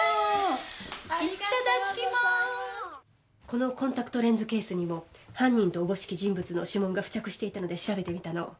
このコンタクトレンズケースにも犯人とおぼしき人物の指紋が付着していたので調べてみたの。